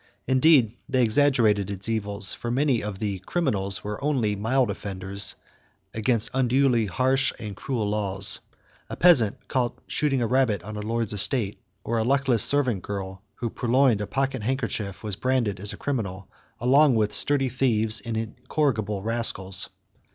Indeed, they exaggerated its evils, for many of the "criminals" were only mild offenders against unduly harsh and cruel laws. A peasant caught shooting a rabbit on a lord's estate or a luckless servant girl who purloined a pocket handkerchief was branded as a criminal along with sturdy thieves and incorrigible rascals.